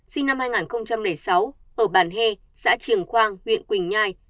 sinh năm hai nghìn sáu ở bàn hê xã trường quang huyện quỳnh nhai